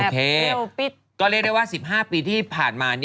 ก็เรียกได้ว่า๑๕ปีที่ผ่านมา